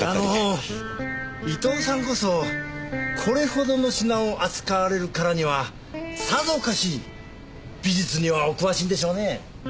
あの伊藤さんこそこれほどの品を扱われるからにはさぞかし美術にはお詳しいんでしょうねえ。